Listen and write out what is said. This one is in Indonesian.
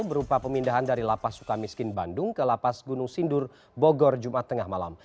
berupa pemindahan dari lapas suka miskin bandung ke lapas gunung sindur bogor jumat tengah malam